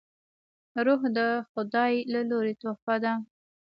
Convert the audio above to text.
روح د خداي له لورې تحفه ده